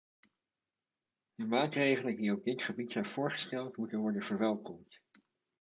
De maatregelen die op dit gebied zijn voorgesteld, moeten worden verwelkomd.